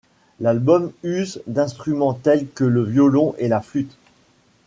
L'album use d'instruments tels que le violon et la flute.